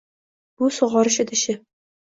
Bu sug'orish idishi